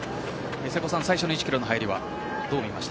最初の１キロの入りはどう見ます